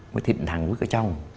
mấy thịt thằng vứt ở trong